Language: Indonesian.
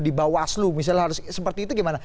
di bawah aslu misalnya harus seperti itu gimana